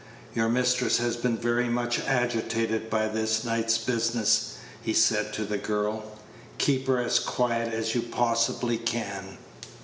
"Your mistress has been very much agitated by this night's business," he said to the girl; "keep her as quiet as you possibly can."